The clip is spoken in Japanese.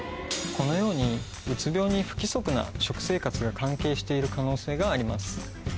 このようにうつ病に不規則な食生活が関係している可能性があります。